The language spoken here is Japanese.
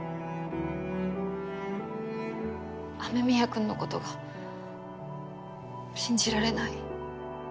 雨宮くんの事が信じられない。